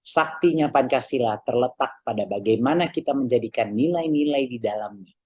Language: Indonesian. saktinya pancasila terletak pada bagaimana kita menjadikan nilai nilai di dalamnya